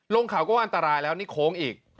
ลงเขาก็อันตรายแล้วนี่โค้งอีก